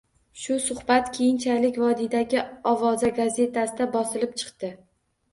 Shu suhbat keyinchalik vodiydagi Ovoza gazetasida bosilib chiqdi